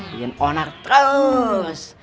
bikin onar terus